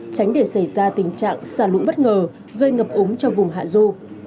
tránh để xảy ra tình trạng xả lũ bất ngờ gây ngập úng cho vùng hạ du